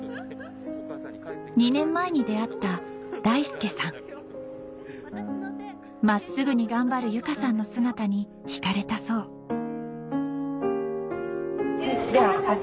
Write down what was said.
２年前に出会った真っすぐに頑張る由佳さんの姿に引かれたそうじゃあこちらで。